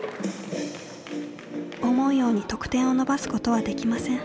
思うように得点を伸ばすことはできません。